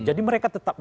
jadi mereka tetap